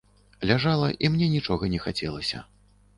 Ляжала, і мне нічога не хацелася.